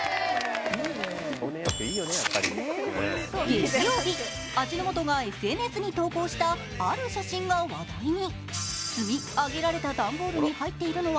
月曜日、味の素がＳＮＳに投稿したある写真が話題に。